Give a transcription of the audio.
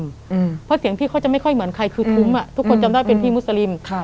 เพราะเสียงพี่เขาจะไม่ค่อยเหมือนใครคือคุ้มทุกคนจำได้เป็นพี่มุสลิม